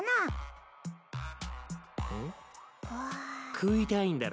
食いたいんだろ？